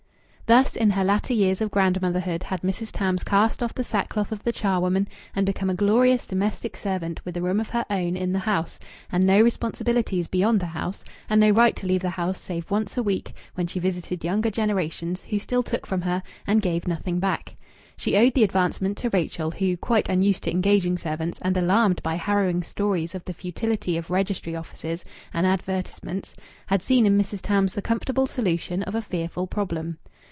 Thus in her latter years of grandmotherhood had Mrs. Tams cast off the sackcloth of the charwoman and become a glorious domestic servant, with a room of her own in the house, and no responsibilities beyond the house, and no right to leave the house save once a week, when she visited younger generations, who still took from her and gave nothing back. She owed the advancement to Rachel, who, quite unused to engaging servants, and alarmed by harrowing stories of the futility of registry offices and advertisements, had seen in Mrs. Tams the comfortable solution of a fearful problem.